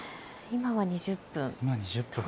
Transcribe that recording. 今は２０分。